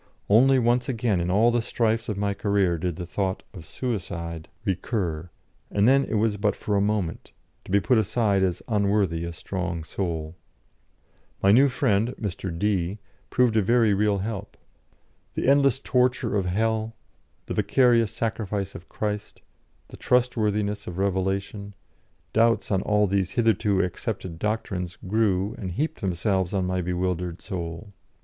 Only once again in all the strifes of my career did the thought of suicide recur, and then it was but for a moment, to be put aside as unworthy a strong soul. My new friend, Mr. D , proved a very real help. The endless torture of hell, the vicarious sacrifice of Christ, the trustworthiness of revelation, doubts on all these hitherto accepted doctrines grew and heaped themselves on my bewildered soul.